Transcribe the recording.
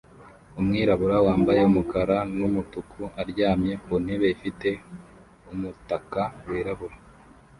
Umwirabura wambaye umukara numutuku aryamye ku ntebe ifite umutaka wirabura